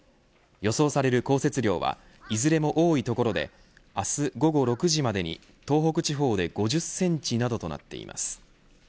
予想される降雪量はいずれも多い所で明日午後６時までに東北地方で５０センチなどとなっています。